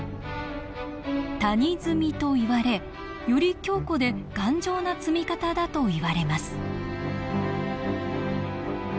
谷積みといわれより強固で頑丈な積み方だといわれます